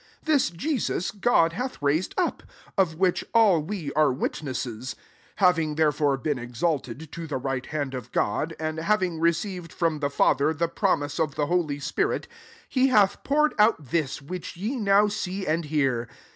32 This Jesus, God hath raised up ; of which all we are witnesses. S3 Having there fore been exalted to the right hand of God, and having receiv ed from the Father, the promise of the holy spirit, he hath pour* ed out this, which ye now see and hear.